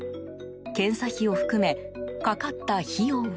検査費を含めかかった費用は。